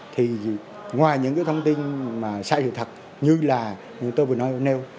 thì ngoài những thông tin sai sự thật như tôi vừa nói ở nêu